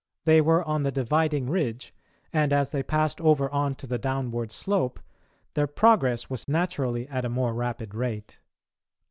They were on the dividing ridge and, as they passed over on to the downward slope, their progress was naturally at a more rapid rate.